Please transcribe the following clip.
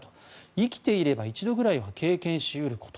生きていれば一度ぐらいは経験し得ること。